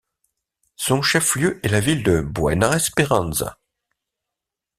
Son chef-lieu est la ville de Buena Esperanza.